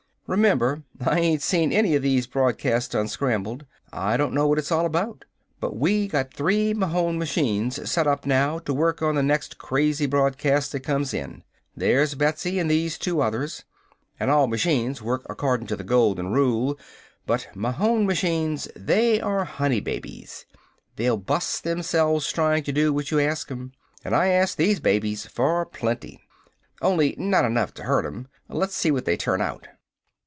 "Remember, I ain't seen any of these broadcasts unscrambled. I don't know what it's all about. But we got three Mahon machines set up now to work on the next crazy broadcast that comes in. There's Betsy and these two others. And all machines work accordin' to the Golden Rule, but Mahon machines they are honey babes! They'll bust themselves tryin' to do what you ask 'em. And I asked these babies for plenty only not enough to hurt 'em. Let's see what they turn out."